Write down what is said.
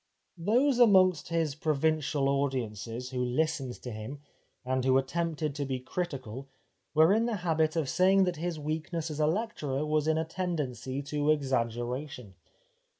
Those amongst his provincial audiences who listened to him, and who attempted to be critical, were in the habit of saying that his weakness as a lecturer was in a tendency to exaggeration.